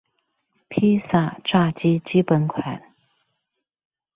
披薩炸雞基本款